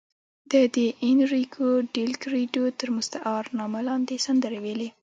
ده د اینریکو ډیلکریډو تر مستعار نامه لاندې سندرې ویلې.